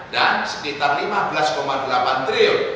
dan sekitar lima belas delapan triliun